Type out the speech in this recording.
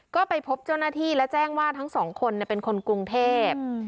ก็ไปพบเจ้าหน้าที่และแจ้งว่าทั้งสองคนเป็นคนกรุงเทพ